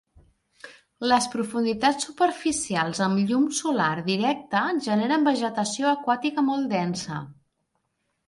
Les profunditats superficials amb llum solar directe generen vegetació aquàtica molt densa.